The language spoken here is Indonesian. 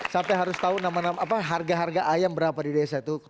sampai harus tahu nama harga harga ayam berapa di desa itu